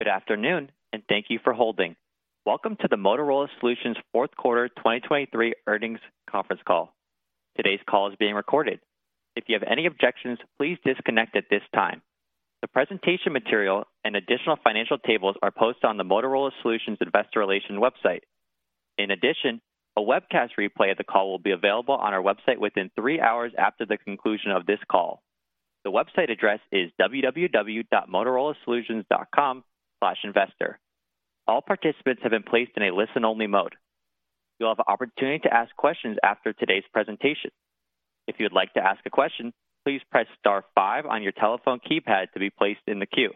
Good afternoon and thank you for holding. Welcome to the Motorola Solutions fourth quarter 2023 earnings conference call. Today's call is being recorded. If you have any objections, please disconnect at this time. The presentation material and additional financial tables are posted on the Motorola Solutions Investor Relations website. In addition, a webcast replay of the call will be available on our website within three hours after the conclusion of this call. The website address is www.motorolasolutions.com/investor. All participants have been placed in a listen-only mode. You'll have an opportunity to ask questions after today's presentation. If you would like to ask a question, please press star five on your telephone keypad to be placed in the queue.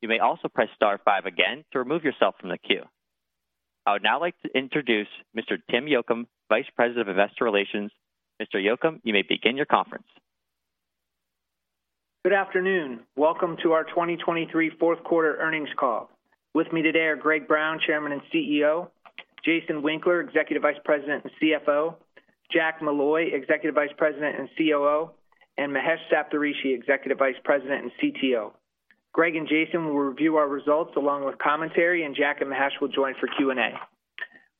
You may also press star five again to remove yourself from the queue. I would now like to introduce Mr. Tim Yocum, Vice President of Investor Relations. Mr. Yocum, you may begin your conference. Good afternoon. Welcome to our 2023 fourth quarter earnings call. With me today are Greg Brown, Chairman and CEO; Jason Winkler, Executive Vice President and CFO; Jack Molloy, Executive Vice President and COO; and Mahesh Saptharishi, Executive Vice President and CTO. Greg and Jason will review our results along with commentary, and Jack and Mahesh will join for Q&A.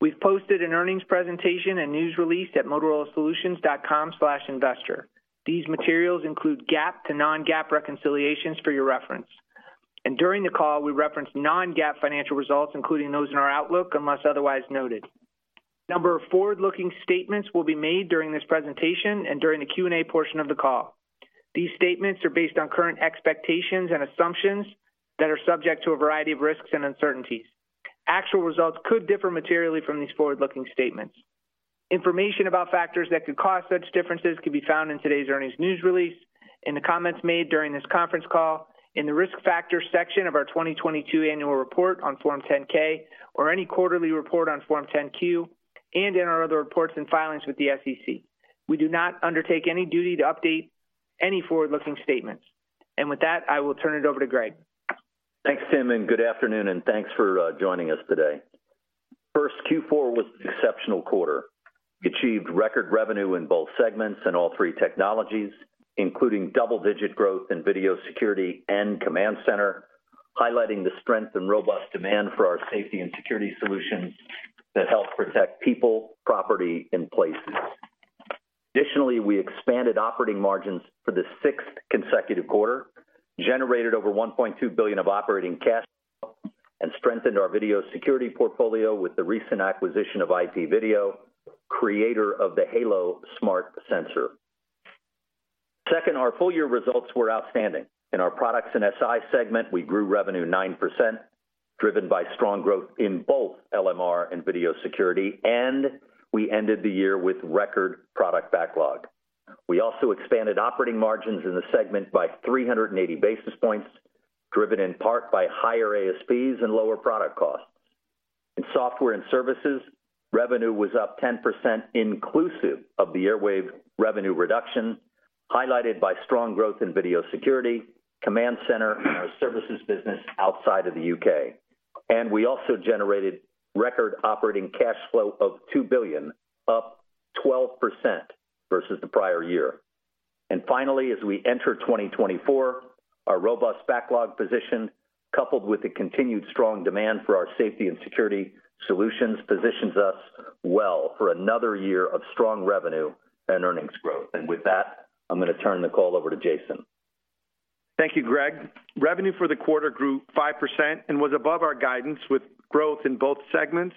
We've posted an earnings presentation and news release at motorolasolutions.com/investor. These materials include GAAP to non-GAAP reconciliations for your reference. During the call, we reference non-GAAP financial results, including those in our Outlook, unless otherwise noted. A number of forward-looking statements will be made during this presentation and during the Q&A portion of the call. These statements are based on current expectations and assumptions that are subject to a variety of risks and uncertainties. Actual results could differ materially from these forward-looking statements. Information about factors that could cause such differences can be found in today's earnings news release, in the comments made during this conference call, in the risk factors section of our 2022 annual report on Form 10-K, or any quarterly report on Form 10-Q, and in our other reports and filings with the SEC. We do not undertake any duty to update any forward-looking statements. With that, I will turn it over to Greg. Thanks, Tim, and good afternoon, and thanks for joining us today. First, Q4 was an exceptional quarter. We achieved record revenue in both segments and all three technologies, including double-digit growth in video security and command center, highlighting the strength and robust demand for our safety and security solutions that help protect people, property, and places. Additionally, we expanded operating margins for the sixth consecutive quarter, generated over $1.2 billion of operating cash, and strengthened our video security portfolio with the recent acquisition of IPVideo, creator of the HALO Smart Sensor. Second, our full-year results were outstanding. In our products and SI segment, we grew revenue 9%, driven by strong growth in both LMR and video security, and we ended the year with record product backlog. We also expanded operating margins in the segment by 380 basis points, driven in part by higher ASPs and lower product costs. In software and services, revenue was up 10% inclusive of the Airwave revenue reduction, highlighted by strong growth in video security, command center, and our services business outside of the UK. We also generated record operating cash flow of $2 billion, up 12% versus the prior year. Finally, as we enter 2024, our robust backlog position, coupled with the continued strong demand for our safety and security solutions, positions us well for another year of strong revenue and earnings growth. With that, I'm going to turn the call over to Jason. Thank you, Greg. Revenue for the quarter grew 5% and was above our guidance with growth in both segments,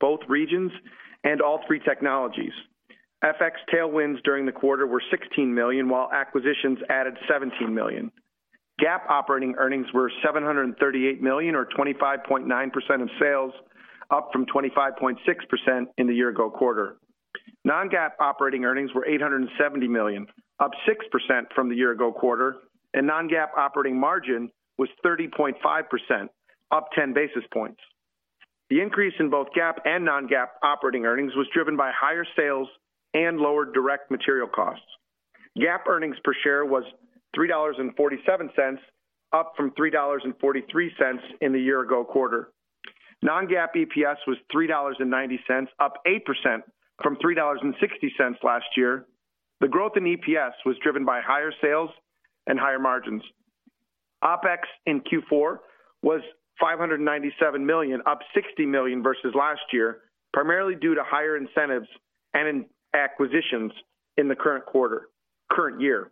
both regions, and all three technologies. FX tailwinds during the quarter were $16 million, while acquisitions added $17 million. GAAP operating earnings were $738 million, or 25.9% of sales, up from 25.6% in the year-ago quarter. Non-GAAP operating earnings were $870 million, up 6% from the year-ago quarter, and non-GAAP operating margin was 30.5%, up 10 basis points. The increase in both GAAP and non-GAAP operating earnings was driven by higher sales and lower direct material costs. GAAP earnings per share was $3.47, up from $3.43 in the year-ago quarter. Non-GAAP EPS was $3.90, up 8% from $3.60 last year. The growth in EPS was driven by higher sales and higher margins. OpEx in Q4 was $597 million, up $60 million versus last year, primarily due to higher incentives and acquisitions in the current quarter, current year.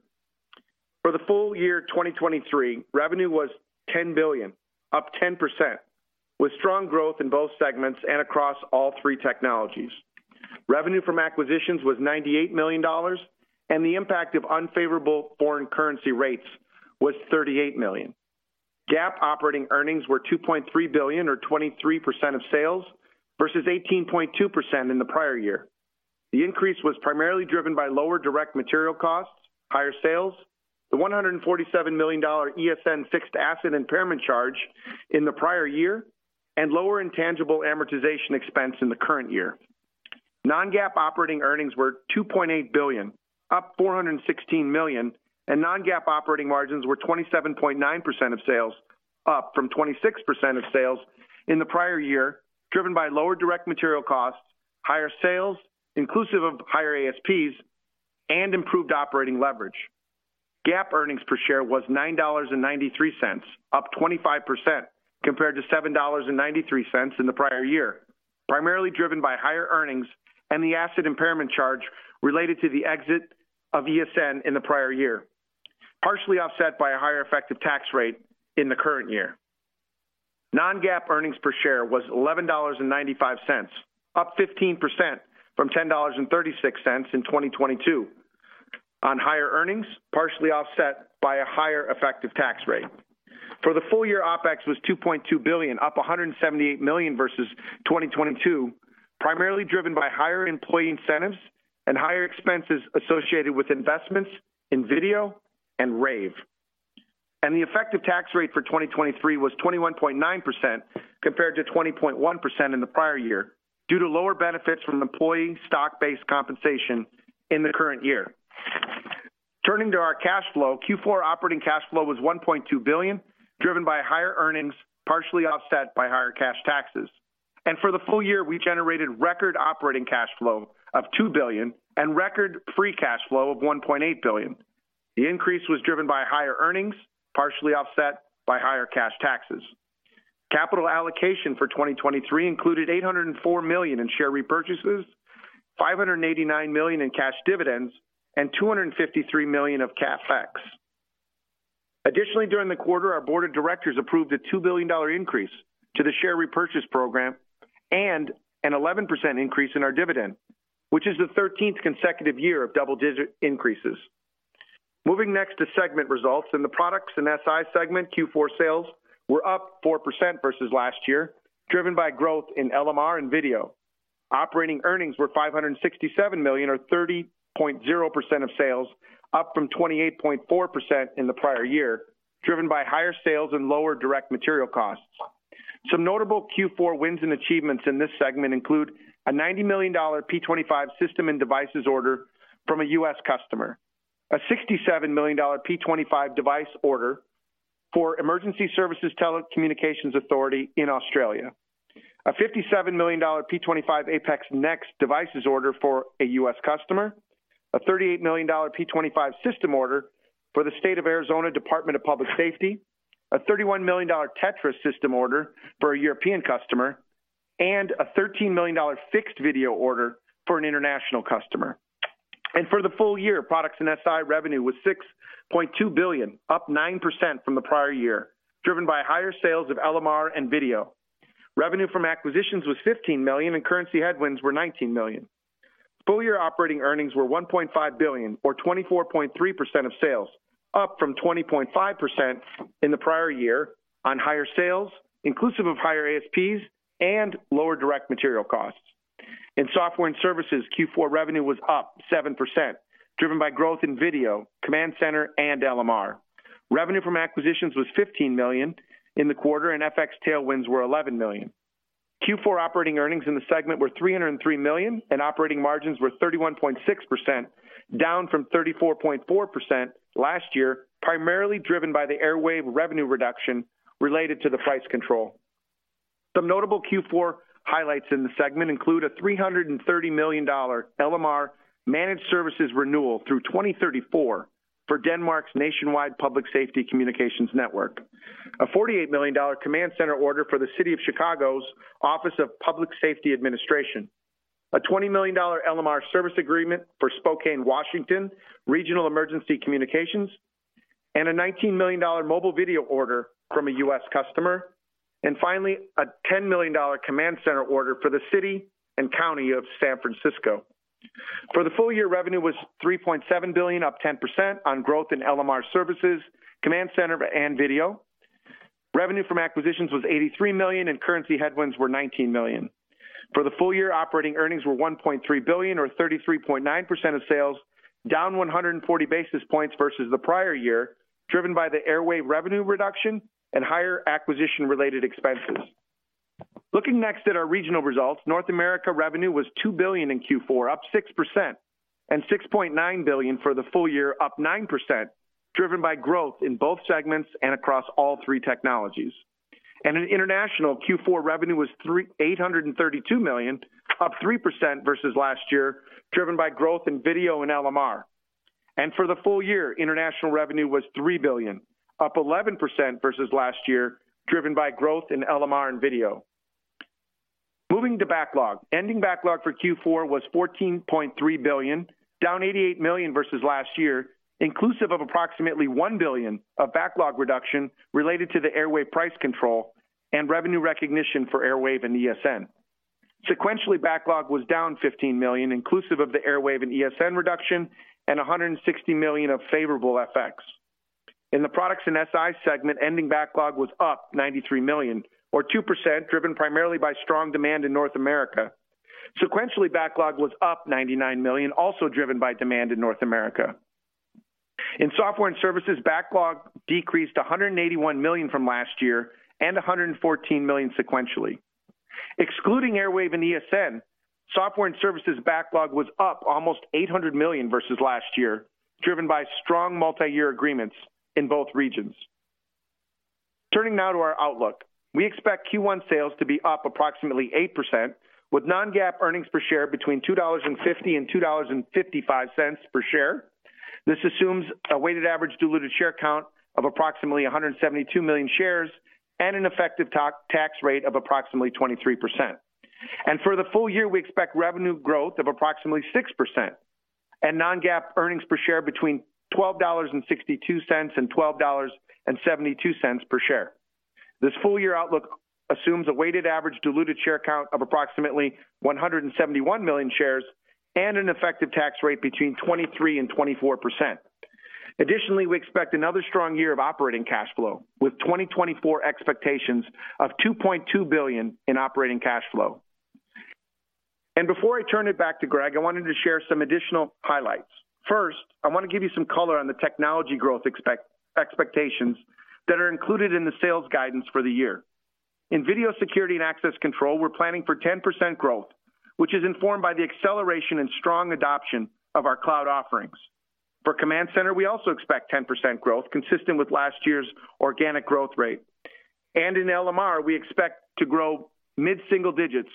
For the full year 2023, revenue was $10 billion, up 10%, with strong growth in both segments and across all three technologies. Revenue from acquisitions was $98 million, and the impact of unfavorable foreign currency rates was $38 million. GAAP operating earnings were $2.3 billion, or 23% of sales, versus 18.2% in the prior year. The increase was primarily driven by lower direct material costs, higher sales, the $147 million ESN fixed asset impairment charge in the prior year, and lower intangible amortization expense in the current year. Non-GAAP operating earnings were $2.8 billion, up $416 million, and non-GAAP operating margins were 27.9% of sales, up from 26% of sales in the prior year, driven by lower direct material costs, higher sales, inclusive of higher ASPs, and improved operating leverage. GAAP earnings per share was $9.93, up 25% compared to $7.93 in the prior year, primarily driven by higher earnings and the asset impairment charge related to the exit of ESN in the prior year, partially offset by a higher effective tax rate in the current year. Non-GAAP earnings per share was $11.95, up 15% from $10.36 in 2022, on higher earnings, partially offset by a higher effective tax rate. For the full year, OpEx was $2.2 billion, up $178 million versus 2022, primarily driven by higher employee incentives and higher expenses associated with investments in video and Rave. The effective tax rate for 2023 was 21.9% compared to 20.1% in the prior year due to lower benefits from employee stock-based compensation in the current year. Turning to our cash flow, Q4 operating cash flow was $1.2 billion, driven by higher earnings, partially offset by higher cash taxes. For the full year, we generated record operating cash flow of $2 billion and record free cash flow of $1.8 billion. The increase was driven by higher earnings, partially offset by higher cash taxes. Capital allocation for 2023 included $804 million in share repurchases, $589 million in cash dividends, and $253 million of CapEx. Additionally, during the quarter, our board of directors approved a $2 billion increase to the share repurchase program and an 11% increase in our dividend, which is the 13th consecutive year of double-digit increases. Moving next to segment results, in the products and SI segment, Q4 sales were up 4% versus last year, driven by growth in LMR and video. Operating earnings were $567 million, or 30.0% of sales, up from 28.4% in the prior year, driven by higher sales and lower direct material costs. Some notable Q4 wins and achievements in this segment include a $90 million P25 system and devices order from a U.S. customer, a $67 million P25 device order for Emergency Services Telecommunications Authority in Australia, a $57 million P25 APX NEXT devices order for a U.S. customer, a $38 million P25 system order for the State of Arizona Department of Public Safety, a $31 million TETRA system order for a European customer, and a $13 million fixed video order for an international customer. For the full year, products and SI revenue was $6.2 billion, up 9% from the prior year, driven by higher sales of LMR and video. Revenue from acquisitions was $15 million, and currency headwinds were $19 million. Full-year operating earnings were $1.5 billion, or 24.3% of sales, up from 20.5% in the prior year on higher sales, inclusive of higher ASPs, and lower direct material costs. In software and services, Q4 revenue was up 7%, driven by growth in video, command center, and LMR. Revenue from acquisitions was $15 million in the quarter, and FX tailwinds were $11 million. Q4 operating earnings in the segment were $303 million, and operating margins were 31.6%, down from 34.4% last year, primarily driven by the Airwave revenue reduction related to the price control. Some notable Q4 highlights in the segment include a $330 million LMR managed services renewal through 2034 for Denmark's nationwide public safety communications network, a $48 million command center order for the City of Chicago's Office of Public Safety Administration, a $20 million LMR service agreement for Spokane, Washington, Regional Emergency Communications, and a $19 million mobile video order from a U.S. customer, and finally, a $10 million command center order for the City and County of San Francisco. For the full year, revenue was $3.7 billion, up 10% on growth in LMR services, command center, and video. Revenue from acquisitions was $83 million, and currency headwinds were $19 million. For the full year, operating earnings were $1.3 billion, or 33.9% of sales, down 140 basis points versus the prior year, driven by the Airwave revenue reduction and higher acquisition-related expenses. Looking next at our regional results, North America revenue was $2 billion in Q4, up 6%, and $6.9 billion for the full year, up 9%, driven by growth in both segments and across all three technologies. In international, Q4 revenue was $832 million, up 3% versus last year, driven by growth in video and LMR. For the full year, international revenue was $3 billion, up 11% versus last year, driven by growth in LMR and video. Moving to backlog, ending backlog for Q4 was $14.3 billion, down $88 million versus last year, inclusive of approximately $1 billion of backlog reduction related to the Airwave price control and revenue recognition for Airwave and ESN. Sequentially, backlog was down $15 million, inclusive of the Airwave and ESN reduction, and $160 million of favorable FX. In the products and SI segment, ending backlog was up $93 million, or 2%, driven primarily by strong demand in North America. Sequentially, backlog was up $99 million, also driven by demand in North America. In software and services, backlog decreased $181 million from last year and $114 million sequentially. Excluding Airwave and ESN, software and services backlog was up almost $800 million versus last year, driven by strong multi-year agreements in both regions. Turning now to our outlook, we expect Q1 sales to be up approximately 8%, with non-GAAP earnings per share between $2.50 and $2.55 per share. This assumes a weighted average diluted share count of approximately 172 million shares and an effective tax rate of approximately 23%. For the full year, we expect revenue growth of approximately 6% and non-GAAP earnings per share between $12.62 and $12.72 per share. This full-year outlook assumes a weighted average diluted share count of approximately 171 million shares and an effective tax rate between 23% and 24%. Additionally, we expect another strong year of operating cash flow, with 2024 expectations of $2.2 billion in operating cash flow. And before I turn it back to Greg, I wanted to share some additional highlights. First, I want to give you some color on the technology growth expectations that are included in the sales guidance for the year. In video security and access control, we're planning for 10% growth, which is informed by the acceleration and strong adoption of our cloud offerings. For command center, we also expect 10% growth consistent with last year's organic growth rate. And in LMR, we expect to grow mid-single digits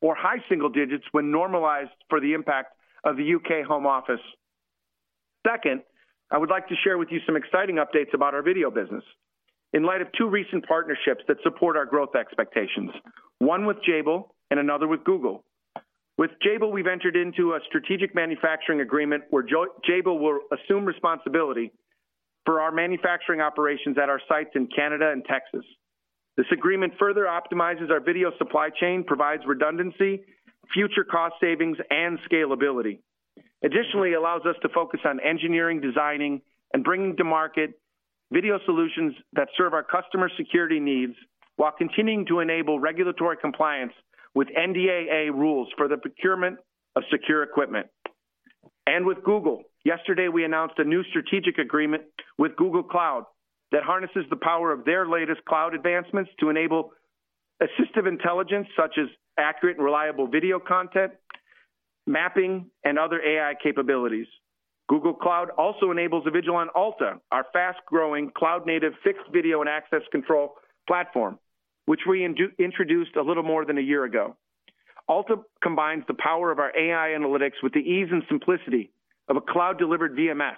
or high single digits when normalized for the impact of the UK Home Office. Second, I would like to share with you some exciting updates about our video business in light of two recent partnerships that support our growth expectations, one with Jabil and another with Google. With Jabil, we've entered into a strategic manufacturing agreement where Jabil will assume responsibility for our manufacturing operations at our sites in Canada and Texas. This agreement further optimizes our video supply chain, provides redundancy, future cost savings, and scalability. Additionally, it allows us to focus on engineering, designing, and bringing to market video solutions that serve our customer security needs while continuing to enable regulatory compliance with NDAA rules for the procurement of secure equipment. And with Google, yesterday we announced a new strategic agreement with Google Cloud that harnesses the power of their latest cloud advancements to enable assistive intelligence such as accurate and reliable video content, mapping, and other AI capabilities. Google Cloud also enables Avigilon Alta, our fast-growing cloud-native fixed video and access control platform, which we introduced a little more than a year ago. Alta combines the power of our AI analytics with the ease and simplicity of a cloud-delivered VMS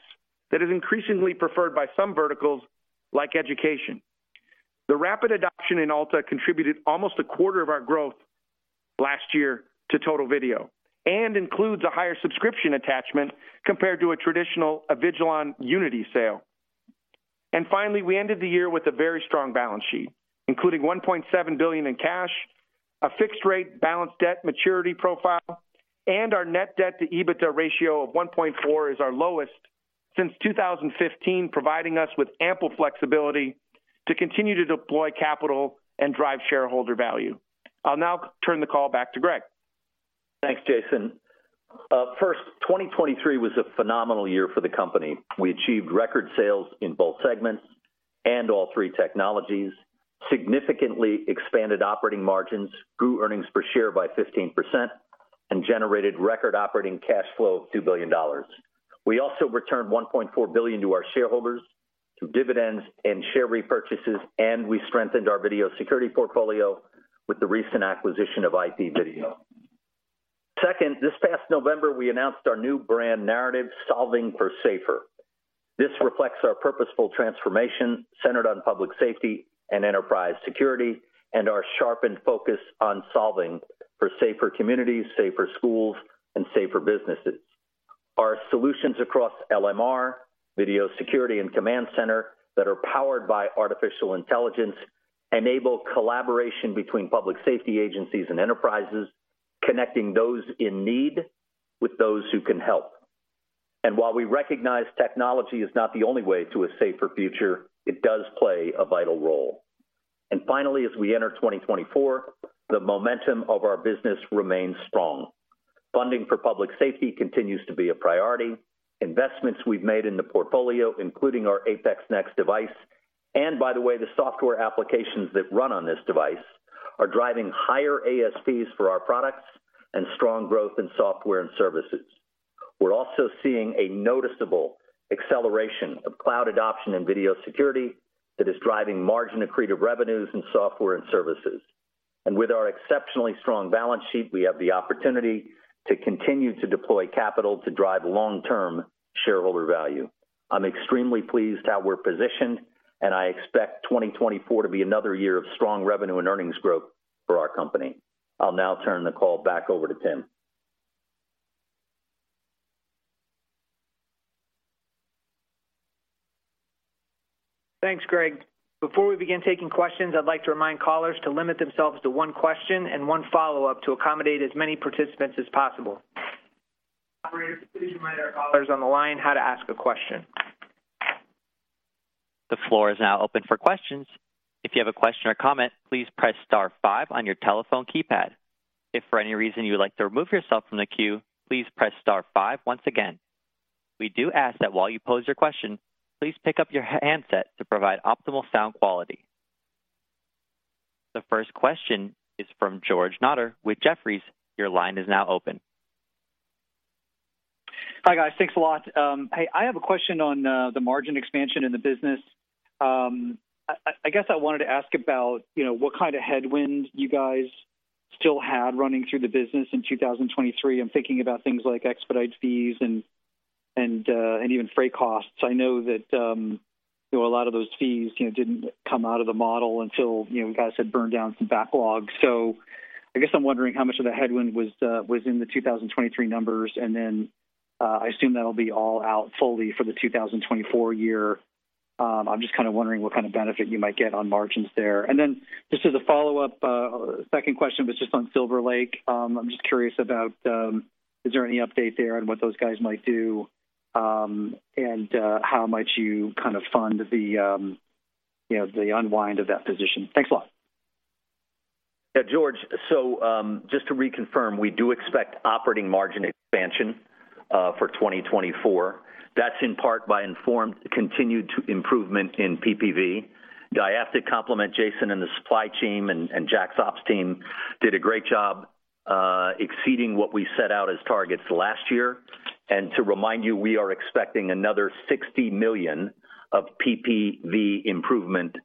that is increasingly preferred by some verticals like education. The rapid adoption in Alta contributed almost a quarter of our growth last year to total video and includes a higher subscription attachment compared to a traditional Avigilon Unity sale. Finally, we ended the year with a very strong balance sheet, including $1.7 billion in cash, a fixed-rate balanced debt maturity profile, and our net debt-to-EBITDA ratio of 1.4 is our lowest since 2015, providing us with ample flexibility to continue to deploy capital and drive shareholder value. I'll now turn the call back to Greg. Thanks, Jason. First, 2023 was a phenomenal year for the company. We achieved record sales in both segments and all three technologies, significantly expanded operating margins, grew earnings per share by 15%, and generated record operating cash flow of $2 billion. We also returned $1.4 billion to our shareholders through dividends and share repurchases, and we strengthened our video security portfolio with the recent acquisition of IPVideo. Second, this past November, we announced our new brand narrative, Solving for Safer. This reflects our purposeful transformation centered on public safety and enterprise security and our sharpened focus on solving for safer communities, safer schools, and safer businesses. Our solutions across LMR, video security, and command center that are powered by artificial intelligence enable collaboration between public safety agencies and enterprises, connecting those in need with those who can help. And while we recognize technology is not the only way to a safer future, it does play a vital role. And finally, as we enter 2024, the momentum of our business remains strong. Funding for public safety continues to be a priority. Investments we've made in the portfolio, including our APX NEXT device, and by the way, the software applications that run on this device are driving higher ASPs for our products and strong growth in software and services. We're also seeing a noticeable acceleration of cloud adoption and video security that is driving margin accretive revenues in software and services. And with our exceptionally strong balance sheet, we have the opportunity to continue to deploy capital to drive long-term shareholder value. I'm extremely pleased how we're positioned, and I expect 2024 to be another year of strong revenue and earnings growth for our company. I'll now turn the call back over to Tim. Thanks, Greg. Before we begin taking questions, I'd like to remind callers to limit themselves to one question and one follow-up to accommodate as many participants as possible. Operators, please remind our callers on the line how to ask a question. The floor is now open for questions. If you have a question or comment, please press star five on your telephone keypad. If for any reason you would like to remove yourself from the queue, please press star five once again. We do ask that while you pose your question, please pick up your handset to provide optimal sound quality. The first question is from George Notter with Jefferies. Your line is now open. Hi guys, thanks a lot. Hey, I have a question on the margin expansion in the business. I guess I wanted to ask about what kind of headwind you guys still had running through the business in 2023. I'm thinking about things like expedite fees and even freight costs. I know that a lot of those fees didn't come out of the model until you guys had burned down some backlog. So I guess I'm wondering how much of the headwind was in the 2023 numbers, and then I assume that'll be all out fully for the 2024 year. I'm just kind of wondering what kind of benefit you might get on margins there. And then just as a follow-up, second question was just on Silver Lake. I'm just curious about is there any update there on what those guys might do and how might you kind of fund the unwind of that position. Thanks a lot. Yeah, George, so just to reconfirm, we do expect operating margin expansion for 2024. That's in part by informed continued improvement in PPV. I have to compliment Jason and the supply team and Jack's ops team did a great job exceeding what we set out as targets last year. And to remind you, we are expecting another $60 million of PPV improvement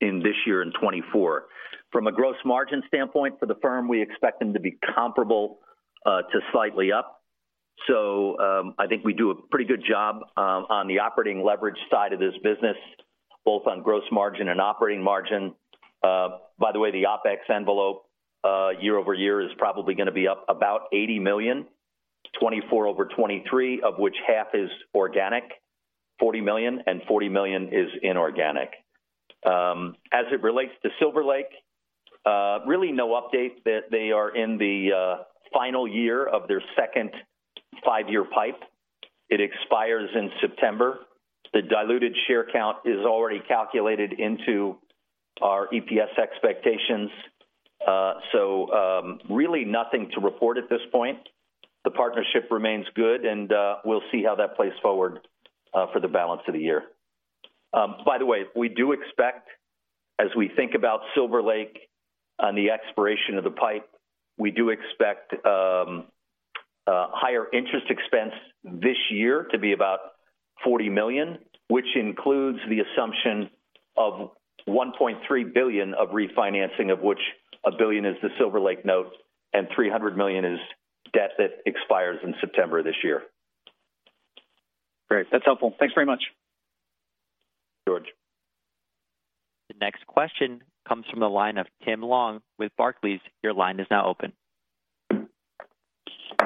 in this year and 2024. From a gross margin standpoint for the firm, we expect them to be comparable to slightly up. So I think we do a pretty good job on the operating leverage side of this business, both on gross margin and operating margin. By the way, the OPEX envelope year-over-year is probably going to be up about $80 million, 2024 over 2023, of which half is organic, $40 million, and $40 million is inorganic. As it relates to Silver Lake, really no update. They are in the final year of their second five-year PIPE. It expires in September. The diluted share count is already calculated into our EPS expectations. So really nothing to report at this point. The partnership remains good, and we'll see how that plays forward for the balance of the year. By the way, we do expect, as we think about Silver Lake and the expiration of the PIPE, we do expect higher interest expense this year to be about $40 million, which includes the assumption of $1.3 billion of refinancing, of which $1 billion is the Silver Lake note and $300 million is debt that expires in September this year. Great. That's helpful. Thanks very much. George. The next question comes from the line of Tim Long with Barclays. Your line is now open.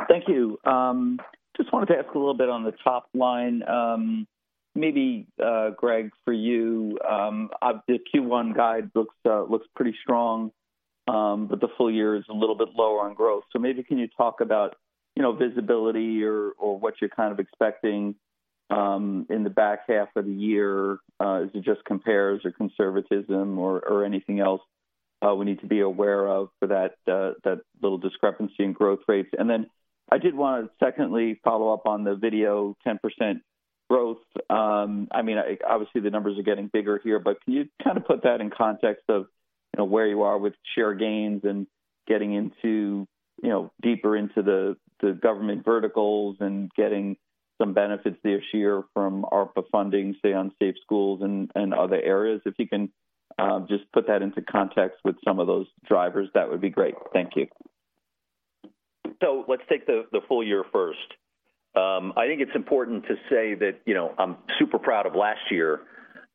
Thank you. Just wanted to ask a little bit on the top line. Maybe, Greg, for you, the Q1 guide looks pretty strong, but the full year is a little bit lower on growth. So maybe can you talk about visibility or what you're kind of expecting in the back half of the year? Is it just compares or conservatism or anything else we need to be aware of for that little discrepancy in growth rates? And then I did want to secondly follow up on the video 10% growth. I mean, obviously, the numbers are getting bigger here, but can you kind of put that in context of where you are with share gains and getting deeper into the government verticals and getting some benefits this year from ARPA funding, say, on safe schools and other areas? If you can just put that into context with some of those drivers, that would be great. Thank you. So let's take the full year first. I think it's important to say that I'm super proud of last year.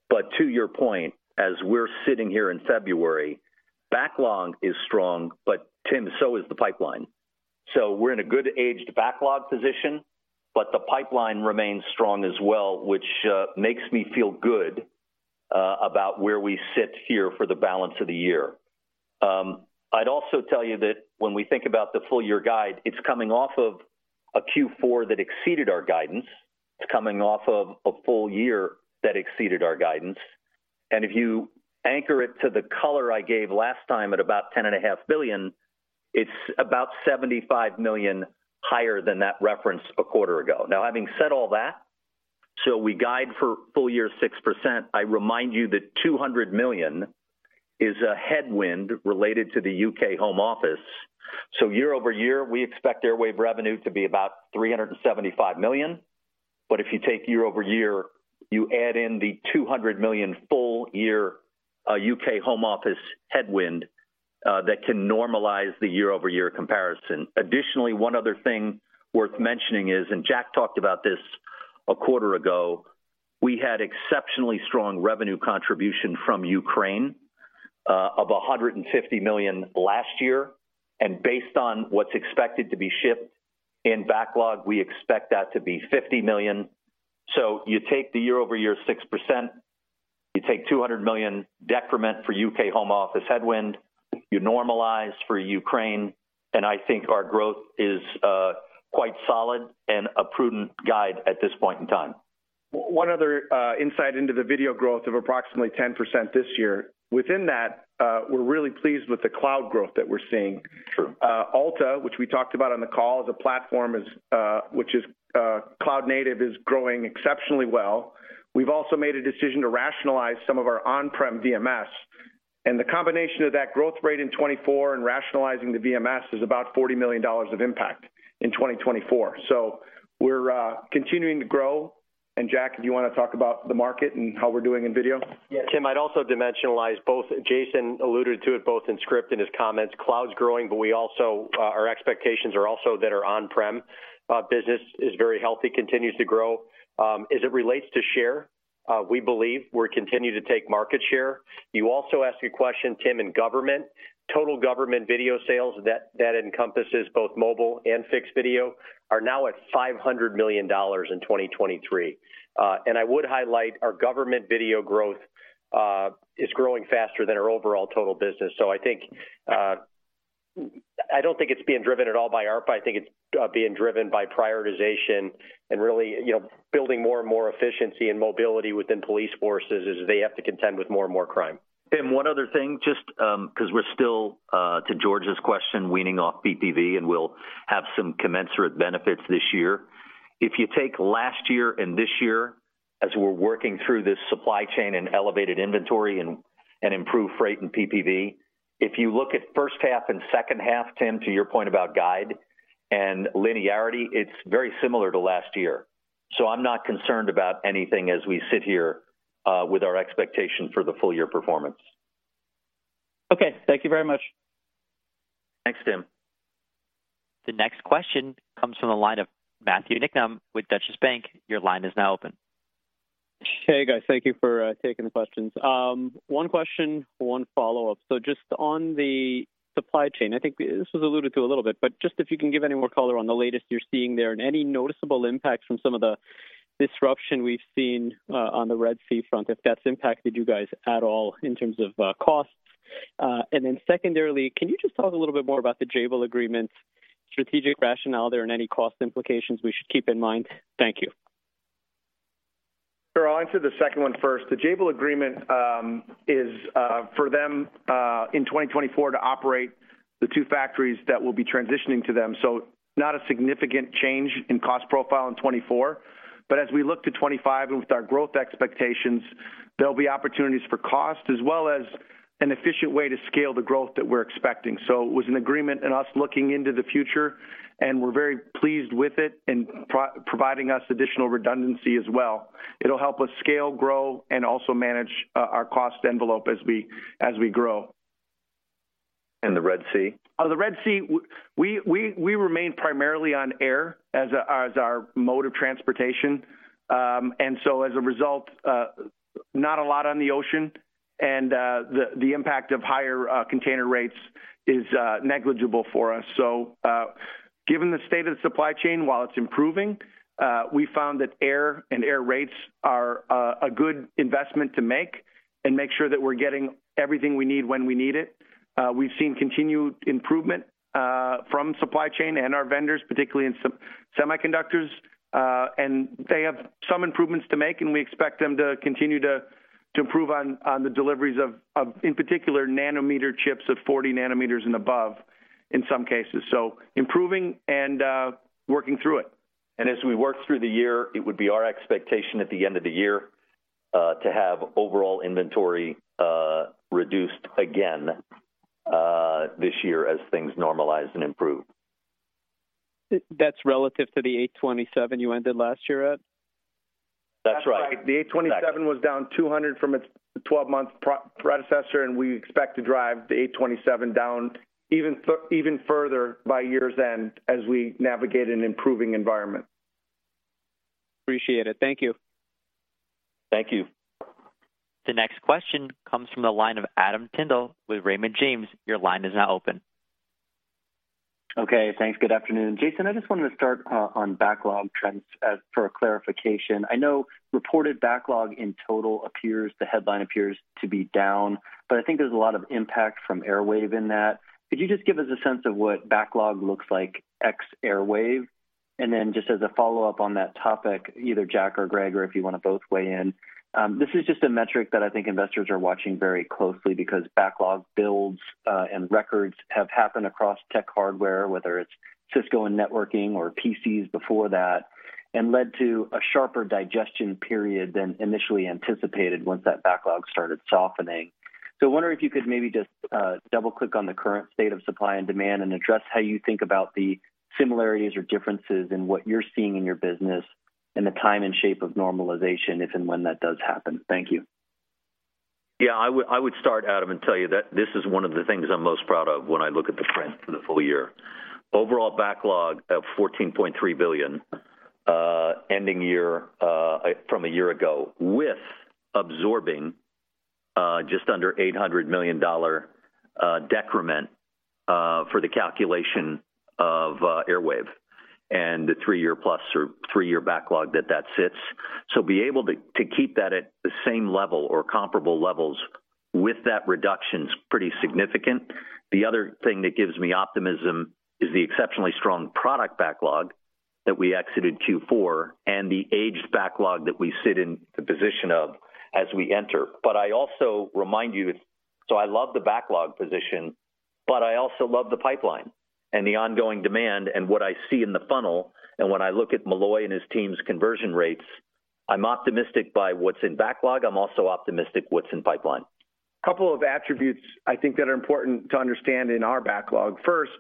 But to your point, as we're sitting here in February, backlog is strong, but Tim, so is the pipeline. So we're in a good-aged backlog position, but the pipeline remains strong as well, which makes me feel good about where we sit here for the balance of the year. I'd also tell you that when we think about the full year guide, it's coming off of a Q4 that exceeded our guidance. It's coming off of a full year that exceeded our guidance. And if you anchor it to the color I gave last time at about $10.5 billion, it's about $75 million higher than that reference a quarter ago. Now, having said all that, so we guide for full year 6%. I remind you that $200 million is a headwind related to the UK Home Office. So year-over-year, we expect Airwave revenue to be about $375 million. But if you take year-over-year, you add in the $200 million full year UK Home Office headwind that can normalize the year-over-year comparison. Additionally, one other thing worth mentioning is, and Jack talked about this a quarter ago, we had exceptionally strong revenue contribution from Ukraine of $150 million last year. And based on what's expected to be shipped in backlog, we expect that to be $50 million. So you take the year-over-year 6%, you take $200 million decrement for UK Home Office headwind, you normalize for Ukraine, and I think our growth is quite solid and a prudent guide at this point in time. One other insight into the video growth of approximately 10% this year. Within that, we're really pleased with the cloud growth that we're seeing. Alta, which we talked about on the call, as a platform which is cloud-native is growing exceptionally well. We've also made a decision to rationalize some of our on-prem VMS. The combination of that growth rate in 2024 and rationalizing the VMS is about $40 million of impact in 2024. We're continuing to grow. Jack, do you want to talk about the market and how we're doing in video? Yeah, Tim, I'd also dimensionalize. Both Jason alluded to it both in script and his comments. Cloud's growing, but our expectations are also that our on-prem business is very healthy, continues to grow. As it relates to share, we believe we're continuing to take market share. You also asked a question, Tim, in government. Total government video sales that encompasses both mobile and fixed video are now at $500 million in 2023. I would highlight our government video growth is growing faster than our overall total business. So I think I don't think it's being driven at all by ARPA. I think it's being driven by prioritization and really building more and more efficiency and mobility within police forces as they have to contend with more and more crime. Tim, one other thing, just because we're still, to George's question, weaning off PPV and we'll have some commensurate benefits this year. If you take last year and this year as we're working through this supply chain and elevated inventory and improve freight and PPV, if you look at first half and second half, Tim, to your point about guide and linearity, it's very similar to last year. So I'm not concerned about anything as we sit here with our expectation for the full year performance. Okay. Thank you very much. Thanks, Tim. The next question comes from the line of Matthew Niknam with Deutsche Bank. Your line is now open. Hey guys, thank you for taking the questions. One question, one follow-up. So just on the supply chain, I think this was alluded to a little bit, but just if you can give any more color on the latest you're seeing there and any noticeable impacts from some of the disruption we've seen on the Red Sea front, if that's impacted you guys at all in terms of costs. And then secondarily, can you just talk a little bit more about the Jabil agreement, strategic rationale there, and any cost implications we should keep in mind? Thank you. Sure. I'll answer the second one first. The Jabil agreement is for them in 2024 to operate the two factories that will be transitioning to them. So not a significant change in cost profile in 2024. But as we look to 2025 and with our growth expectations, there'll be opportunities for cost as well as an efficient way to scale the growth that we're expecting. So it was an agreement and us looking into the future, and we're very pleased with it and providing us additional redundancy as well. It'll help us scale, grow, and also manage our cost envelope as we grow. And the Red Sea? The Red Sea, we remain primarily on air as our mode of transportation. And so as a result, not a lot on the ocean. And the impact of higher container rates is negligible for us. So given the state of the supply chain, while it's improving, we found that airfreight rates are a good investment to make and make sure that we're getting everything we need when we need it. We've seen continued improvement from supply chain and our vendors, particularly in semiconductors. They have some improvements to make, and we expect them to continue to improve on the deliveries of in particular nanometer chips of 40 nanometers and above in some cases. So improving and working through it. As we work through the year, it would be our expectation at the end of the year to have overall inventory reduced again this year as things normalize and improve. That's relative to the $827 you ended last year at? That's right. The 827 was down 200 from its 12-month predecessor, and we expect to drive the 827 down even even further by year's end as we navigate an improving environment. Appreciate it. Thank you. Thank you. The next question comes from the line of Adam Tindle with Raymond James. Your line is now open. Okay, thanks. Good afternoon. Jason, I just wanted to start on backlog trends for a clarification. I know reported backlog in total appears, the headline appears to be down, but I think there's a lot of impact from Airwave in that. Could you just give us a sense of what backlog looks like, ex-Airwave? And then just as a follow-up on that topic, either Jack or Greg or if you want to both weigh in. This is just a metric that I think investors are watching very closely because backlog builds and records have happened across tech hardware, whether it's Cisco and networking or PCs before that, and led to a sharper digestion period than initially anticipated once that backlog started softening. So I wonder if you could maybe just double-click on the current state of supply and demand and address how you think about the similarities or differences in what you're seeing in your business and the time and shape of normalization, if and when that does happen. Thank you. Yeah, I would start, Adam, and tell you that this is one of the things I'm most proud of when I look at the trends for the full year. Overall backlog of $14.3 billion ending year from a year ago with absorbing just under $800 million decrement for the calculation of Airwave and the three-year plus or three-year backlog that that sits. So be able to keep that at the same level or comparable levels with that reduction is pretty significant. The other thing that gives me optimism is the exceptionally strong product backlog that we exited Q4 and the aged backlog that we sit in the position of as we enter. But I also remind you, if so I love the backlog position, but I also love the pipeline and the ongoing demand and what I see in the funnel. And when I look at Molloy and his team's conversion rates, I'm optimistic by what's in backlog. I'm also optimistic what's in pipeline. A couple of attributes I think that are important to understand in our backlog. First,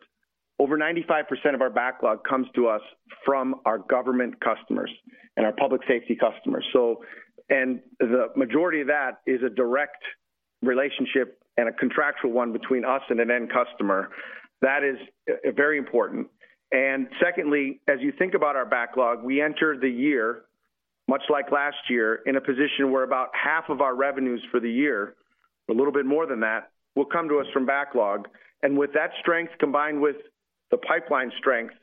over 95% of our backlog comes to us from our government customers and our public safety customers. So, and the majority of that is a direct relationship and a contractual one between us and an end customer. That is very important. And secondly, as you think about our backlog, we enter the year much like last year in a position where about half of our revenues for the year, a little bit more than that, will come to us from backlog. And with that strength combined with the pipeline strength,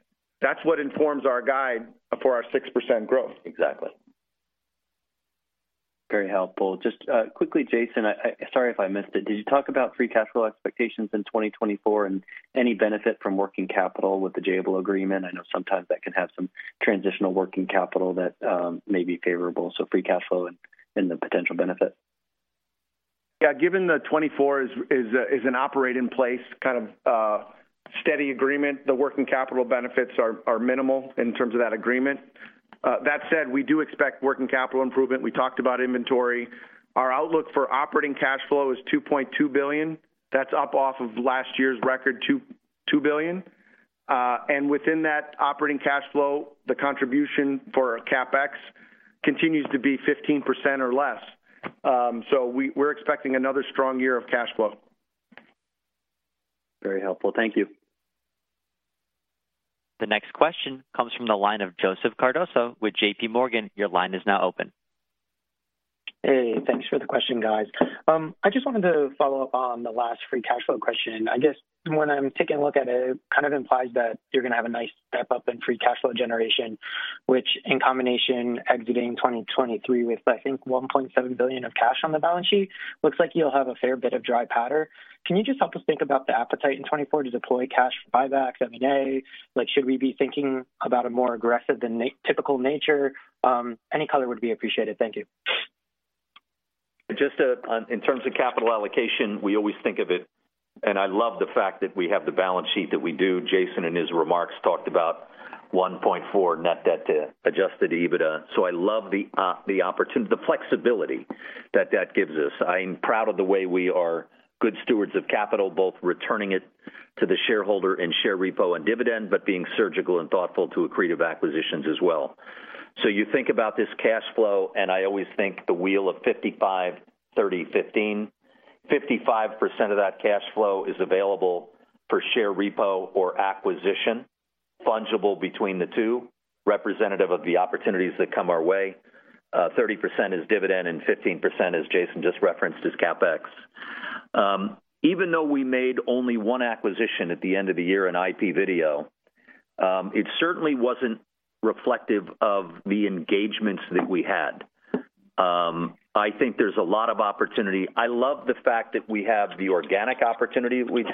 that's what informs our guide for our 6% growth. Exactly. Very helpful. Just quickly, Jason, sorry if I missed it. Did you talk about free cash flow expectations in 2024 and any benefit from working capital with the Jabil agreement? I know sometimes that can have some transitional working capital that may be favorable. So free cash flow and the potential benefit. Yeah, given the 2024 is an operate-in-place kind of steady agreement, the working capital benefits are minimal in terms of that agreement. That said, we do expect working capital improvement. We talked about inventory. Our outlook for operating cash flow is $2.2 billion. That's up off of last year's record, $2 billion. And within that operating cash flow, the contribution for CapEx continues to be 15% or less. So we're expecting another strong year of cash flow. Very helpful. Thank you. The next question comes from the line of Joseph Cardoso with JP Morgan. Your line is now open. Hey, thanks for the question, guys. I just wanted to follow up on the last free cash flow question. I guess when I'm taking a look at it, it kind of implies that you're going to have a nice step up in free cash flow generation, which in combination exiting 2023 with I think $1.7 billion of cash on the balance sheet, looks like you'll have a fair bit of dry powder. Can you just help us think about the appetite in 2024 to deploy cash for buybacks, M&A? Like, should we be thinking about a more aggressive than typical nature? Any color would be appreciated. Thank you. Just in terms of capital allocation, we always think of it. I love the fact that we have the balance sheet that we do. Jason and his remarks talked about $1.4 net debt to adjusted EBITDA. So I love the opportunity, the flexibility that that gives us. I'm proud of the way we are good stewards of capital, both returning it to the shareholder in share repo and dividend, but being surgical and thoughtful to accretive acquisitions as well. So you think about this cash flow, and I always think the wheel of 55, 30, 15. 55% of that cash flow is available for share repo or acquisition, fungible between the two, representative of the opportunities that come our way. 30% is dividend and 15% is, Jason just referenced, is CapEx. Even though we made only one acquisition at the end of the year in IPVideo, it certainly wasn't reflective of the engagements that we had. I think there's a lot of opportunity. I love the fact that we have the organic opportunity that we do,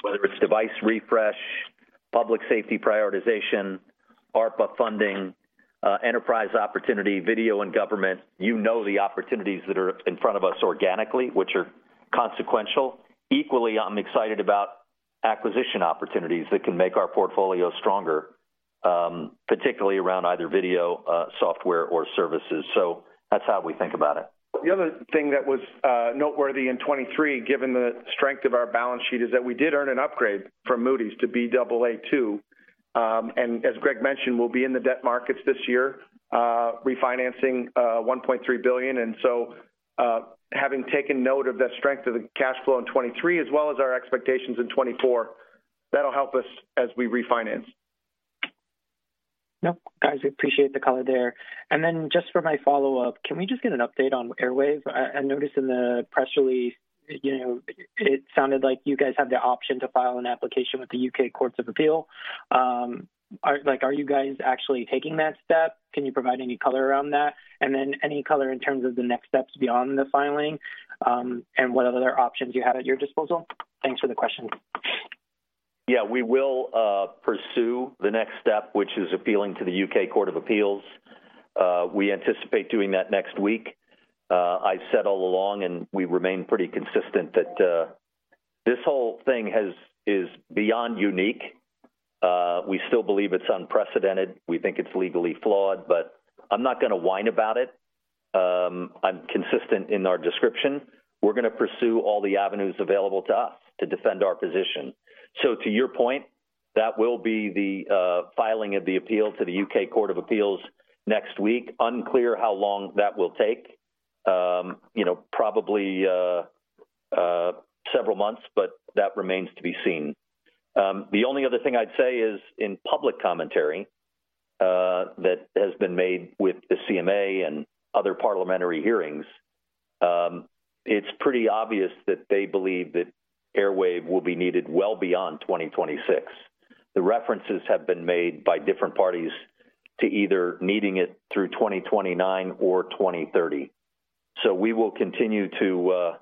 whether it's device refresh, public safety prioritization, ARPA funding, enterprise opportunity, video and government. You know the opportunities that are in front of us organically, which are consequential. Equally, I'm excited about acquisition opportunities that can make our portfolio stronger, particularly around either video, software, or services. So that's how we think about it. The other thing that was noteworthy in 2023, given the strength of our balance sheet, is that we did earn an upgrade from Moody's to Baa2. And as Greg mentioned, we'll be in the debt markets this year, refinancing $1.3 billion. And so having taken note of the strength of the cash flow in 2023 as well as our expectations in 2024, that'll help us as we refinance. Nope, guys, we appreciate the color there. And then just for my follow-up, can we just get an update on Airwave? I noticed in the press release, you know, it sounded like you guys have the option to file an application with the UK Courts of Appeal. Are you guys actually taking that step? Can you provide any color around that? And then any color in terms of the next steps beyond the filing and what other options you have at your disposal? Thanks for the question. Yeah, we will pursue the next step, which is appealing to the UK Court of Appeals. We anticipate doing that next week. I've said all along and we remain pretty consistent that this whole thing is beyond unique. We still believe it's unprecedented. We think it's legally flawed, but I'm not going to whine about it. I'm consistent in our description. We're going to pursue all the avenues available to us to defend our position. So to your point, that will be the filing of the appeal to the U.K. Court of Appeals next week. Unclear how long that will take. You know, probably several months, but that remains to be seen. The only other thing I'd say is in public commentary that has been made with the CMA and other parliamentary hearings, it's pretty obvious that they believe that Airwave will be needed well beyond 2026. The references have been made by different parties to either needing it through 2029 or 2030. So we will continue to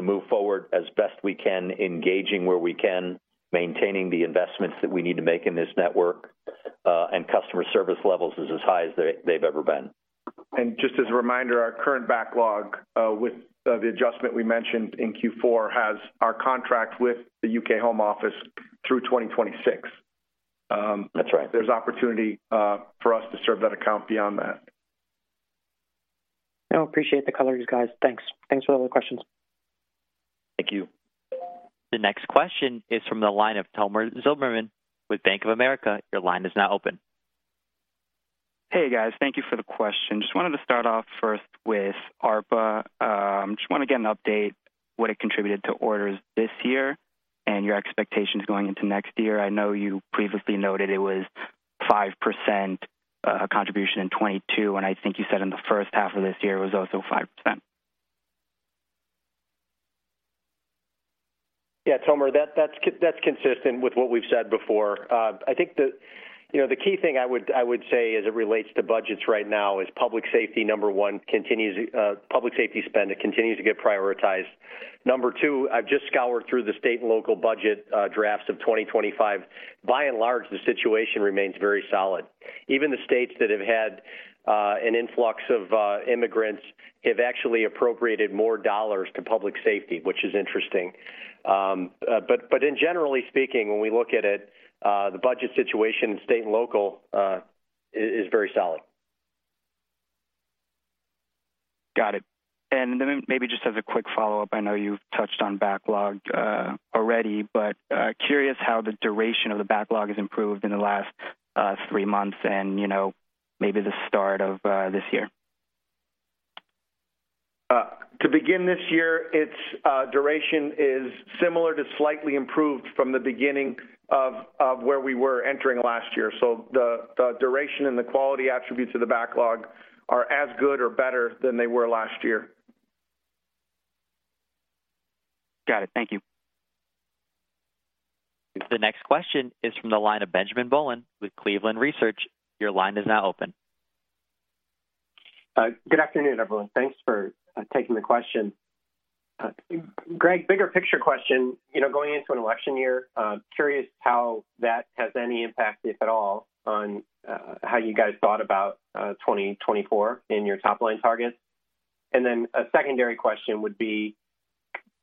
move forward as best we can, engaging where we can, maintaining the investments that we need to make in this network and customer service levels is as high as they've ever been. Just as a reminder, our current backlog with the adjustment we mentioned in Q4 has our contract with the UK Home Office through 2026. That's right. There's opportunity for us to serve that account beyond that. I appreciate the colors, guys. Thanks. Thanks for all the questions. Thank you. The next question is from the line of Tomer Zilberman with Bank of America. Your line is now open. Hey, guys. Thank you for the question. Just wanted to start off first with ARPA. I just want to get an update what it contributed to orders this year and your expectations going into next year. I know you previously noted it was 5% contribution in '22, and I think you said in the first half of this year it was also 5%. Yeah, Tomer, that's consistent with what we've said before. I think, you know, the key thing I would I would say as it relates to budgets right now is public safety number one continues public safety spend that continues to get prioritized. Number two, I've just scoured through the state and local budget drafts of 2025. By and large, the situation remains very solid. Even the states that have had an influx of immigrants have actually appropriated more dollars to public safety, which is interesting. But in general speaking, when we look at it, the budget situation in state and local is very solid. Got it. And then maybe just as a quick follow-up, I know you've touched on backlog already, but curious how the duration of the backlog has improved in the last three months and you know maybe the start of this year. To begin this year, its duration is similar to slightly improved from the beginning of where we were entering last year. So the duration and the quality attributes of the backlog are as good or better than they were last year. Got it. Thank you. The next question is from the line of Benjamin Bollin with Cleveland Research. Your line is now open. Good afternoon, everyone. Thanks for taking the question. Greg, bigger picture question, you know, going into an election year, curious how that has any impact, if at all, on how you guys thought about 2024 in your top-line targets. And then a secondary question would be,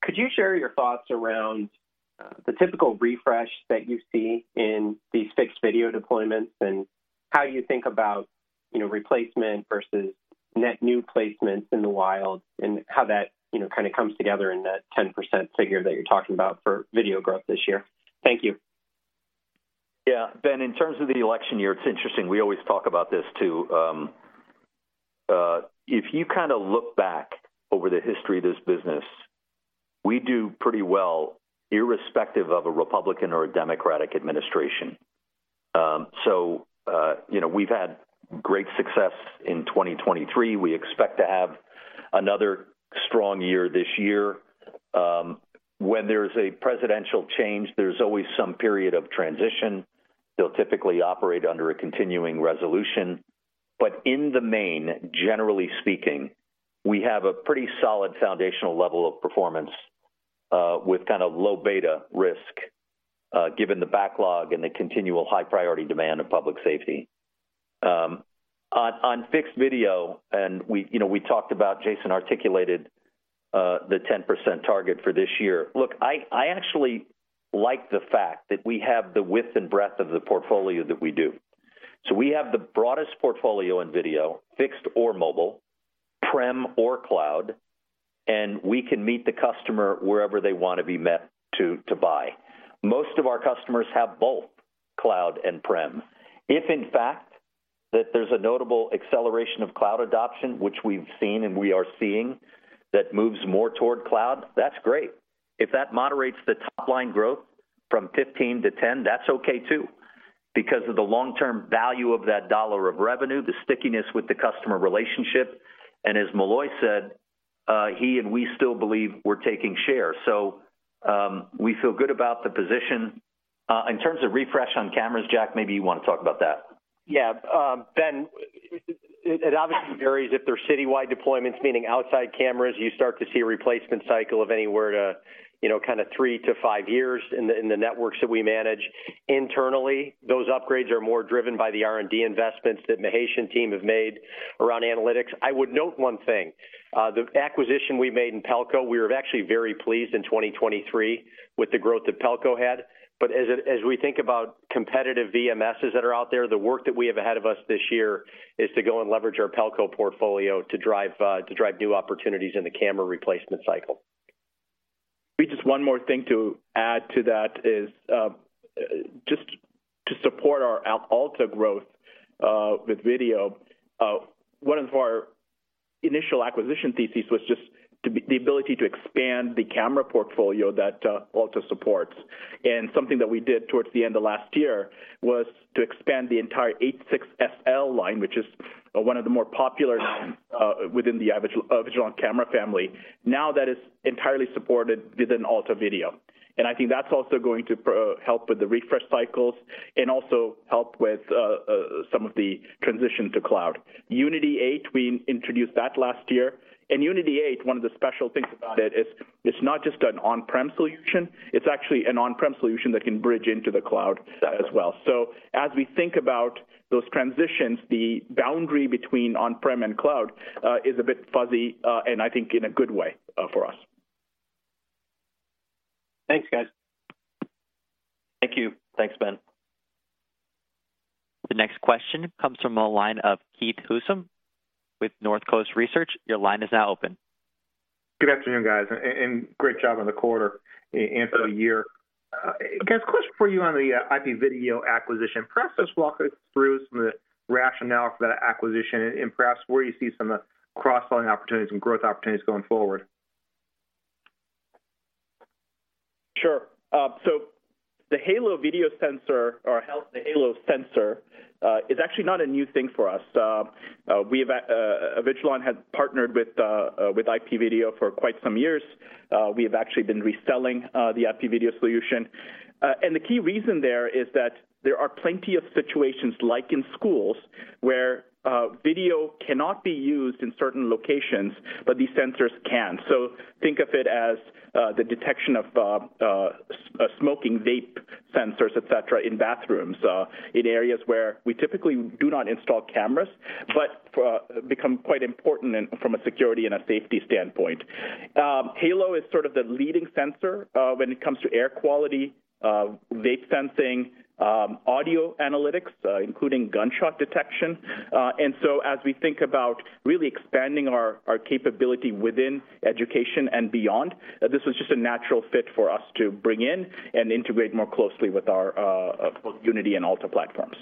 could you share your thoughts around the typical refresh that you see in these fixed video deployments and how you think about, you know, replacement versus net new placements in the wild and how that, you know, kind of comes together in that 10% figure that you're talking about for video growth this year? Thank you. Yeah, Ben, in terms of the election year, it's interesting. We always talk about this too. If you kind of look back over the history of this business, we do pretty well irrespective of a Republican or a Democratic administration. So, you know, we've had great success in 2023. We expect to have another strong year this year. When there's a presidential change, there's always some period of transition. They'll typically operate under a continuing resolution. In the main, generally speaking, we have a pretty solid foundational level of performance with kind of low beta risk given the backlog and the continual high-priority demand of public safety. On fixed video, and we, you know, we talked about, Jason articulated the 10% target for this year. Look, I I actually like the fact that we have the width and breadth of the portfolio that we do. So we have the broadest portfolio in video, fixed or mobile, prem or cloud, and we can meet the customer wherever they want to be met to to buy. Most of our customers have both cloud and prem. If in fact that there's a notable acceleration of cloud adoption, which we've seen and we are seeing, that moves more toward cloud, that's great. If that moderates the top-line growth from 15%-10%, that's okay too. Because of the long-term value of that dollar of revenue, the stickiness with the customer relationship, and as Molloy said, he and we still believe we're taking share. So we feel good about the position. In terms of refresh on cameras, Jack, maybe you want to talk about that. Yeah, Ben, it obviously varies if they're citywide deployments, meaning outside cameras, you start to see a replacement cycle of anywhere to, you know, kind of 3-5 years in the networks that we manage. Internally, those upgrades are more driven by the R&D investments that the Maheshian team have made around analytics. I would note one thing. The acquisition we made in Pelco, we were actually very pleased in 2023 with the growth that Pelco had. But as we think about competitive VMSs that are out there, the work that we have ahead of us this year is to go and leverage our Pelco portfolio to drive new opportunities in the camera replacement cycle. Maybe just one more thing to add to that is just to support our Alta growth with video. One of our initial acquisition theses was just to be the ability to expand the camera portfolio that Alta supports. And something that we did towards the end of last year was to expand the entire 86SL line, which is one of the more popular lines within the Avigilon camera family. Now that is entirely supported within Alta Video. And I think that's also going to help with the refresh cycles and also help with some of the transition to cloud. Unity 8, we introduced that last year. Unity 8, one of the special things about it is it's not just an on-prem solution. It's actually an on-prem solution that can bridge into the cloud as well. So as we think about those transitions, the boundary between on-prem and cloud is a bit fuzzy and I think in a good way for us. Thanks, guys. Thank you. Thanks, Ben. The next question comes from a line of Keith Housum with Northcoast Research. Your line is now open. Good afternoon, guys, and great job on the quarter answer of the year. Guess question for you on the IPVideo acquisition. Perhaps just walk us through some of the rationale for that acquisition and perhaps where you see some of the cross-selling opportunities and growth opportunities going forward. Sure. So the HALO video sensor or the HALO sensor is actually not a new thing for us. We have Avigilon had partnered with IPVideo for quite some years. We have actually been reselling the IPVideo solution. The key reason there is that there are plenty of situations like in schools where video cannot be used in certain locations, but these sensors can. Think of it as the detection of smoking, vape sensors, et cetera, in bathrooms, in areas where we typically do not install cameras, but become quite important from a security and a safety standpoint. Halo is sort of the leading sensor when it comes to air quality, vape sensing, audio analytics, including gunshot detection. As we think about really expanding our capability within education and beyond, this was just a natural fit for us to bring in and integrate more closely with our both Unity and Alta platforms.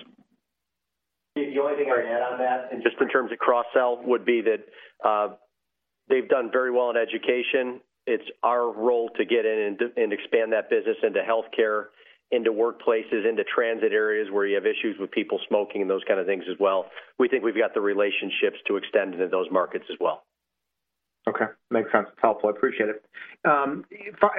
The only thing I would add on that, and just in terms of cross-sell, would be that they've done very well in education. It's our role to get in and expand that business into healthcare, into workplaces, into transit areas where you have issues with people smoking and those kind of things as well. We think we've got the relationships to extend into those markets as well. Okay, makes sense. It's helpful. I appreciate it. As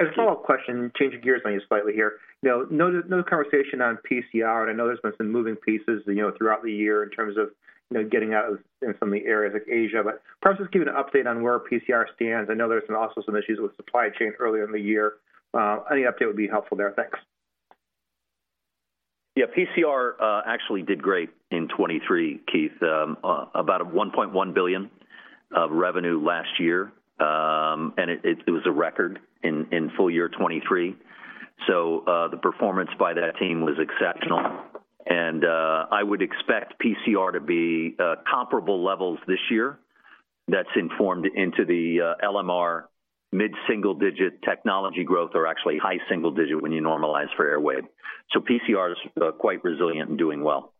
a follow-up question, change of gears on you slightly here. You know, no conversation on PCR, and I know there's been some moving pieces, you know, throughout the year in terms of, you know, getting out of some of the areas like Asia, but perhaps just give an update on where PCR stands. I know there's also some issues with supply chain earlier in the year. Any update would be helpful there. Thanks. Yeah, PCR actually did great in 2023, Keith, about $1.1 billion of revenue last year. And it was a record in full year 2023. So the performance by that team was exceptional. And I would expect PCR to be comparable levels this year. That's informed into the LMR mid-single digit technology growth or actually high single digit when you normalize for Airwave. So PCR is quite resilient and doing well.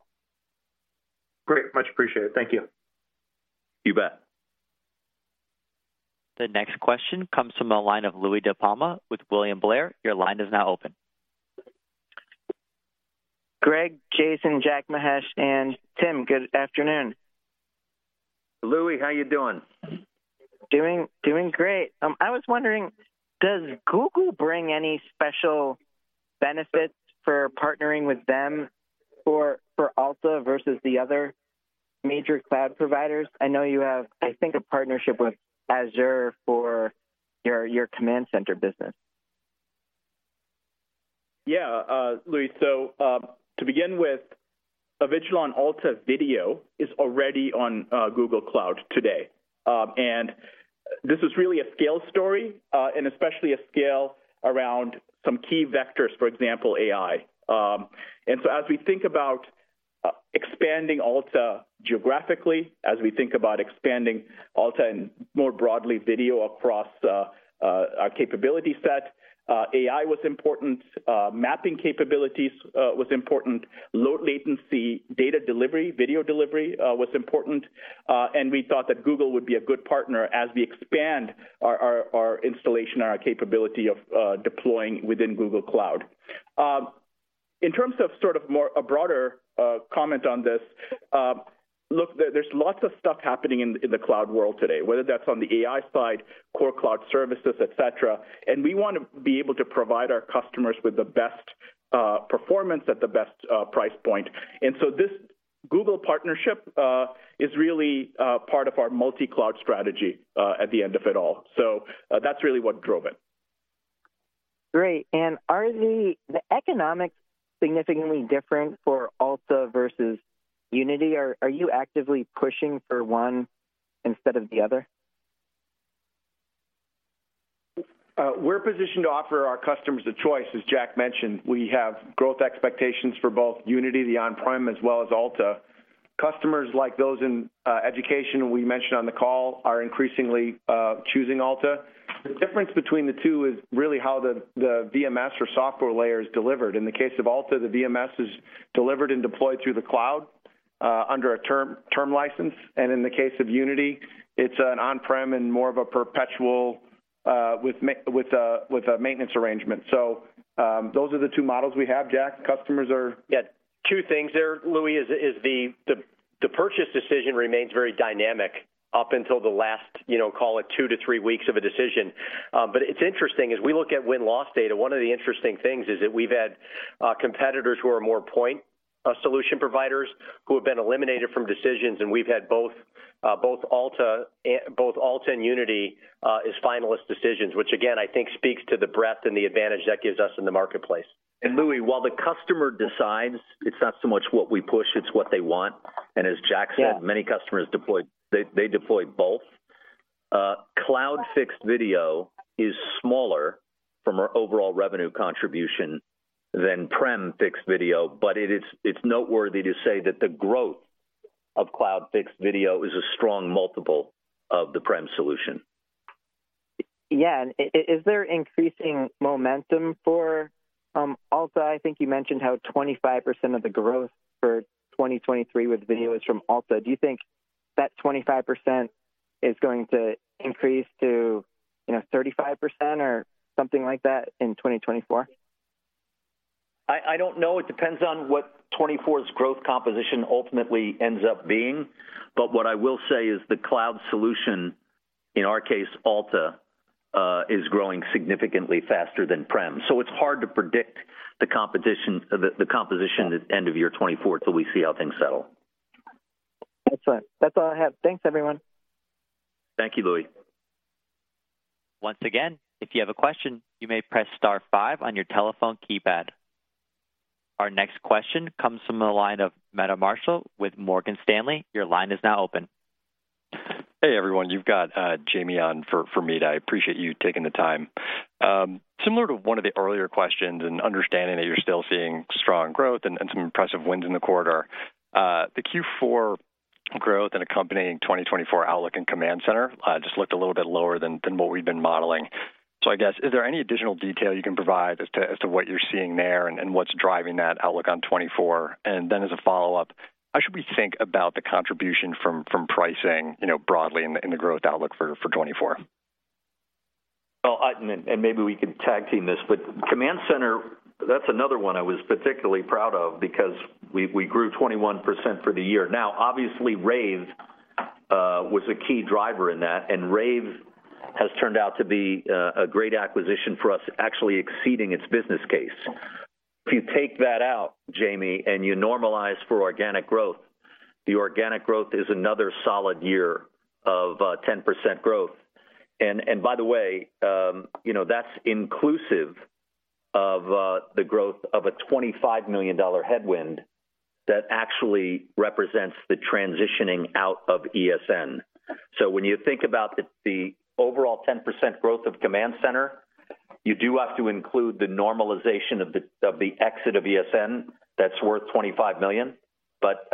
Great. Much appreciated. Thank you. You bet. The next question comes from the line of Louie DiPalma with William Blair. Your line is now open. Greg, Jason, Jack, Mahesh, and Tim, good afternoon. Louie, how are you doing? Doing great. I was wondering, does Google bring any special benefits for partnering with them for Alta versus the other major cloud providers? I know you have, I think, a partnership with Azure for your command center business. Yeah, Louie, so to begin with, Avigilon Alta is already on Google Cloud today. And this is really a scale story, and especially a scale around some key vectors, for example, AI. And so as we think about expanding Alta geographically, as we think about expanding Alta and more broadly video across our capability set, AI was important. Mapping capabilities was important. Low latency data delivery, video delivery was important. And we thought that Google would be a good partner as we expand our installation and our capability of deploying within Google Cloud. In terms of sort of more a broader comment on this, look, there's lots of stuff happening in the cloud world today, whether that's on the AI side, core cloud services, et cetera. And we want to be able to provide our customers with the best performance at the best price point. And so this Google partnership is really part of our multi-cloud strategy at the end of it all. So that's really what drove it. Great. And are the the economics significantly different for Alta versus Unity? Are you actively pushing for one instead of the other? We're positioned to offer our customers a choice. As Jack mentioned, we have growth expectations for both Unity, the on-prem, as well as Alta. Customers like those in education, we mentioned on the call, are increasingly choosing Alta. The difference between the two is really how the the VMS or software layer is delivered. In the case of Alta, the VMS is delivered and deployed through the cloud under a term term license. In the case of Unity, it's an on-prem and more of a perpetual with a maintenance arrangement. So those are the two models we have, Jack. Customers? Yeah, two things there, Louie. The purchase decision remains very dynamic up until the last, you know, call it two to three weeks of a decision. But it's interesting as we look at win-loss data, one of the interesting things is that we've had competitors who are more point solution providers who have been eliminated from decisions and we've had both Alta and Unity as finalist decisions, which again, I think speaks to the breadth and the advantage that gives us in the marketplace. Louie, while the customer decides, it's not so much what we push, it's what they want. As Jack said, many customers deployed; they deployed both. Cloud fixed video is smaller from our overall revenue contribution than prem fixed video, but it's noteworthy to say that the growth of cloud fixed video is a strong multiple of the prem solution. Yeah, and is there increasing momentum for Alta? I think you mentioned how 25% of the growth for 2023 with video is from Alta. Do you think that 25% is going to increase to, you know, 35% or something like that in 2024? I don't know. It depends on what 2024's growth composition ultimately ends up being. But what I will say is the cloud solution, in our case, Alta, is growing significantly faster than prem. So it's hard to predict the composition at the end of year 2024 till we see how things settle. Excellent. That's all I have. Thanks, everyone. Thank you, Louie. Once again, if you have a question, you may press star five on your telephone keypad. Our next question comes from the line of Meta Marshall with Morgan Stanley. Your line is now open. Hey everyone, you've got Jamie on for me. I appreciate you taking the time. Similar to one of the earlier questions and understanding that you're still seeing strong growth and some impressive wins in the quarter, the Q4 growth and accompanying 2024 outlook and command center just looked a little bit lower than what we've been modeling. So I guess, is there any additional detail you can provide as to what you're seeing there and what's driving that outlook on 2024? Then as a follow-up, how should we think about the contribution from pricing, you know, broadly in the growth outlook for 2024? Well, and maybe we can tag team this, but command center, that's another one I was particularly proud of because we grew 21% for the year. Now, obviously, RAVE was a key driver in that, and RAVE has turned out to be a great acquisition for us, actually exceeding its business case. If you take that out, Jamie, and you normalize for organic growth, the organic growth is another solid year of 10% growth. And by the way, you know, that's inclusive of the growth of a $25 million headwind that actually represents the transitioning out of ESN. So when you think about the overall 10% growth of command center, you do have to include the normalization of the exit of ESN that's worth $25 million. But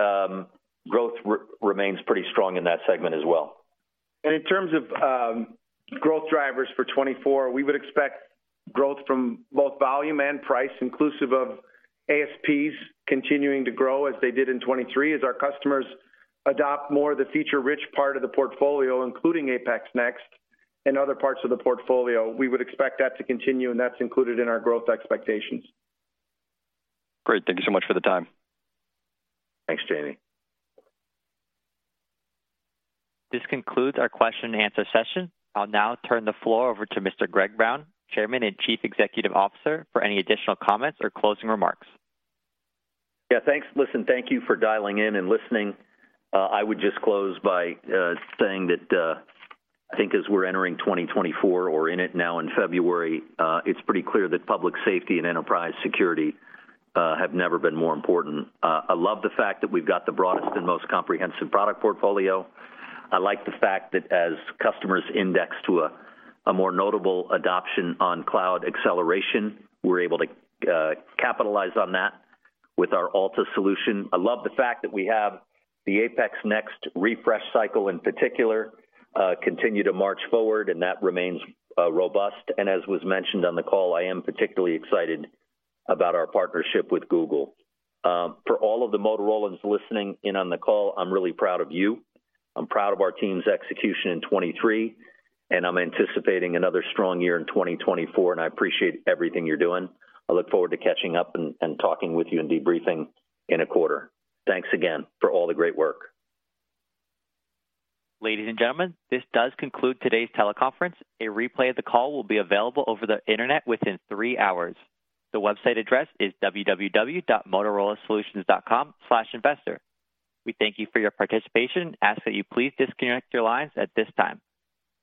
growth remains pretty strong in that segment as well. And in terms of growth drivers for 2024, we would expect growth from both volume and price, inclusive of ASPs continuing to grow as they did in 2023, as our customers adopt more of the feature-rich part of the portfolio, including APX NEXT and other parts of the portfolio. We would expect that to continue, and that's included in our growth expectations. Great. Thank you so much for the time. Thanks, Jamie. This concludes our question and answer session. I'll now turn the floor over to Mr. Greg Brown, Chairman and Chief Executive Officer, for any additional comments or closing remarks. Yeah, thanks. Listen, thank you for dialing in and listening. I would just close by saying that I think as we're entering 2024 or in it now in February, it's pretty clear that public safety and enterprise security have never been more important. I love the fact that we've got the broadest and most comprehensive product portfolio. I like the fact that as customers index to a more notable adoption on cloud acceleration, we're able to capitalize on that with our Alta solution. I love the fact that we have the APX NEXT refresh cycle in particular continue to march forward, and that remains robust. And as was mentioned on the call, I am particularly excited about our partnership with Google. For all of the Motorola's listening in on the call, I'm really proud of you. I'm proud of our team's execution in 2023. I'm anticipating another strong year in 2024, and I appreciate everything you're doing. I look forward to catching up and talking with you and debriefing in a quarter. Thanks again for all the great work. Ladies and gentlemen, this does conclude today's teleconference. A replay of the call will be available over the internet within three hours. The website address is www.motorolasolutions.com/investor. We thank you for your participation and ask that you please disconnect your lines at this time.